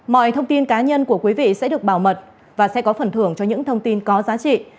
mọi thông tin cá nhân của quý vị sẽ được bảo mật và sẽ có phần thưởng cho những thông tin có giá trị